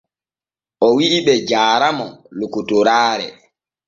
O wi’i be jaara mo lokotoraare.